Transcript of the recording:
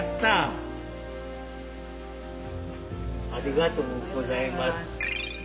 ありがとうございます。